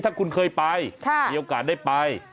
ถ้าคุณเคยไปมีโอกาสได้ไป